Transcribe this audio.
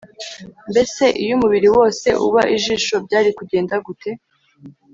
Mbese iyo umubiri wose uba ijisho byari kugenda gute